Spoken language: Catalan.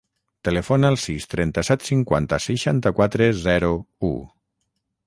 Telefona al sis, trenta-set, cinquanta, seixanta-quatre, zero, u.